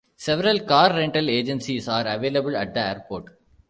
Several car rental agencies are available at the airport.